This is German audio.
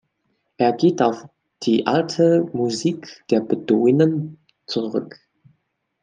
Er geht auf die alte Musik der Beduinen zurück.